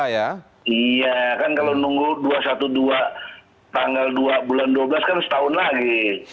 iya kan kalau nunggu dua ratus dua belas tanggal dua bulan dua belas kan setahun lagi